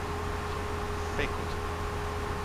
feko